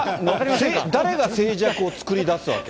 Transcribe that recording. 誰が静寂を作り出すわけ？